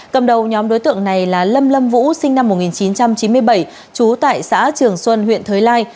cầm đầu nhóm đối tượng này là lâm lâm vũ sinh năm một nghìn chín trăm chín mươi bảy trú tại xã trường xuân huyện thới lai